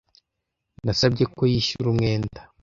Nasabye ko yishyura umwenda